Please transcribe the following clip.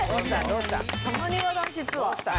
どうした？